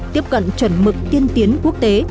tiếp cận chuẩn mực tiên tiến quốc tế